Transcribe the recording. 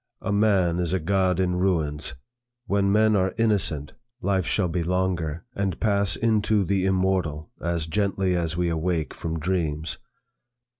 'A man is a god in ruins. When men are innocent, life shall be longer, and shall pass into the immortal, as gently as we awake from dreams.